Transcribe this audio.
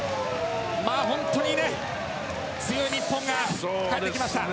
本当に強い日本が帰ってきました。